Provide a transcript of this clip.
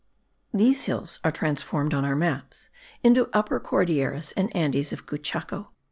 These hills are transformed on our maps into Upper Cordilleras and Andes of Cuchao.